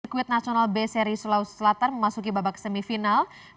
sirkuit nasional b seri sulawesi selatan memasuki babak semifinal